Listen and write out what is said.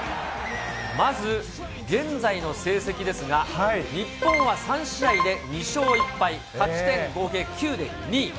まず現在の成績ですが、日本は３試合で２勝１敗、勝ち点合計９で２位。